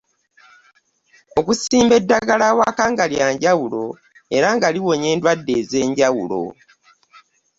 Okusimba eddagala awaka nga lya njawulo era nga liwonya endwadde ez’enjawulo.